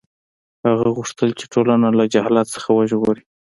هغه غوښتل چې ټولنه له جهالت څخه وژغوري.